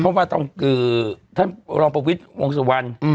เพราะว่าต้องคือท่านรองประวิทย์วงสุวรรณ